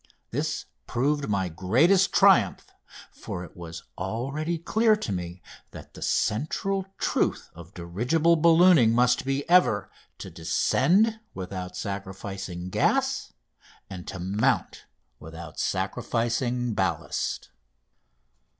This proved my greatest triumph, for it was already clear to me that the central truth of dirigible ballooning must be ever: "To descend without sacrificing gas and to mount without sacrificing ballast."